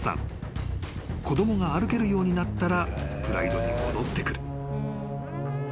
［子供が歩けるようになったらプライドに戻ってくる］